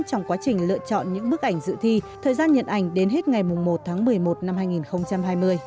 trong quá trình lựa chọn những bức ảnh dự thi thời gian nhận ảnh đến hết ngày một tháng một mươi một năm hai nghìn hai mươi